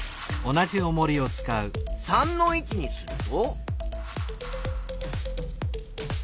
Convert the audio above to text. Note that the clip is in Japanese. ３の位置にすると。